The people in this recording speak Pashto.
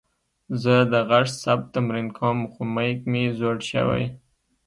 زه د غږ ثبت تمرین کوم، خو میک مې زوړ شوې.